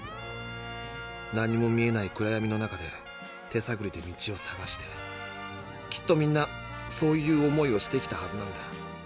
何も見えない暗やみの中で手さぐりで道を探してきっとみんなそういう思いをしてきたはずなんだ。